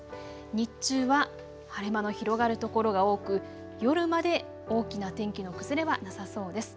日中は晴れ間の広がる所が多く夜まで大きな天気の崩れはなさそうです。